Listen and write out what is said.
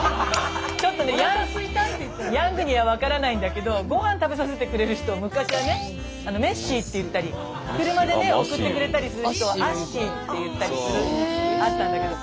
ちょっとヤングには分からないんだけどご飯食べさせてくれる人を昔はねメッシーって言ったり車でね送ってくれたりする人をアッシーって言ったりするのがあったんだけど